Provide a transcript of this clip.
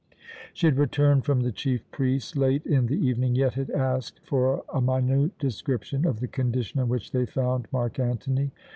She had returned from the chief priest late in the evening, yet had asked for a minute description of the condition in which they found Mark Antony.